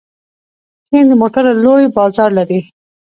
چین د موټرو لوی بازار لري.